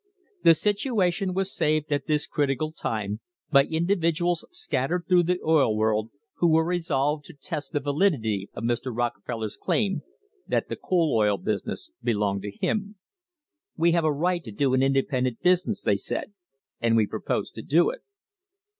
The situation was saved at this critical time by individuals scattered through the oil world who were resolved to test the 2 THE WAR ON THE REBATE validity of Mr. Rockefeller's claim that the coal oil business belonged to him. "We have a right to do an independent business," they said, "and we propose to do it."